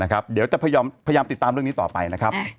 เดี๋ยวจะพยายามติดตามเรื่องนี้ต่อไปนะครับ